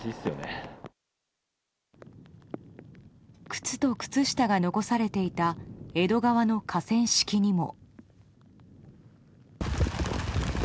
靴と靴下が残されていた江戸川の河川敷にも。